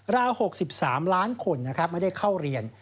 ราว๖๓ล้านคนนะครับไม่ได้เข้าเรียน